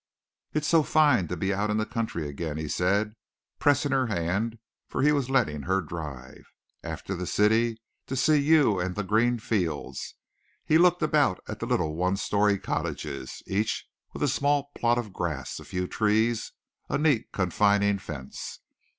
"It's so fine to be out in the country again," he said, pressing her hand, for he was letting her drive. "After the city, to see you and the green fields!" He looked about at the little one storey cottages, each with a small plot of grass, a few trees, a neat confining fence.